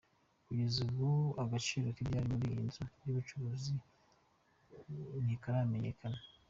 Kugeza ubu agaciro k’ibyari muri iyi nzu y’ubucuruzi ntikaramenyekana.